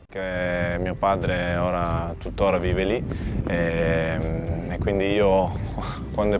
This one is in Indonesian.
karena ayahku masih hidup di sana